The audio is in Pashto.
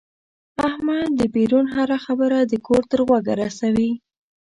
احمد دبیرون هره خبره د کور تر غوږه رسوي.